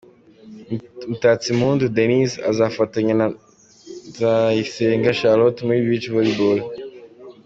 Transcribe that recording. Mutatsimpundu Denyse azafatanya na Nzayisenga Charlotte muri Beach-Volleyball.